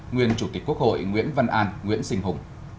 nguyên chủ tịch quốc hội nguyễn văn an nguyễn sinh hùng